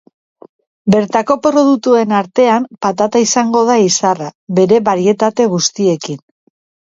Bertako produktuen artean patata izango da izarra, bere barietate guztiekin.